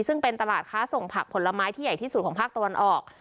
ซึ่งเป็นตลาดค้าส่งผักผลไม้ที่ใหญ่ที่สุดของภาคตะวันออก